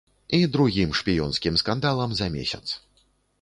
І другім шпіёнскім скандалам за месяц.